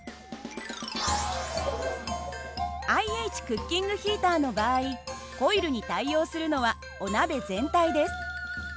ＩＨクッキングヒーターの場合コイルに対応するのはお鍋全体です。